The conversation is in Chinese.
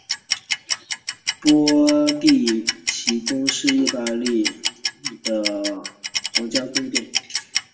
波蒂奇宫是意大利南部那不勒斯省波蒂奇的一座前皇家宫殿。